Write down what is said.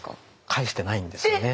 返してないんですよね。